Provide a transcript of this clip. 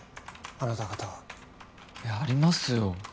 あなた方はいやありますよ